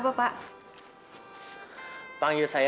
bahkan maggat si satunya